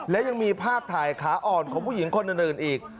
และยังมีภาพถ่ายขาอ่อนของผู้หญิงคนอื่นอีก